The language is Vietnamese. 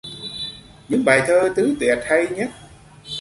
Những bài thơ tứ tuyệt hay nhất